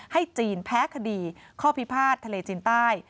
ให้จีนแพ้คดีข้อพิพาททะเลจีนใต้